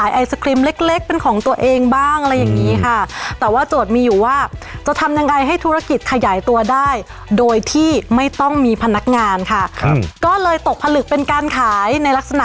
ไอศครีมหรือไอติมแบนทองดีนะคะเหมือนใครซะที่ไหนนี่เลยเค้าทำเป็นไอติมแท่งรูปผลไม้แบบนี้ค่ะ